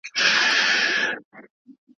کتاب بايد د فکر پراختيا ته زمينه برابره کړي.